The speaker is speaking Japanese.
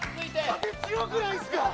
風強くないですか？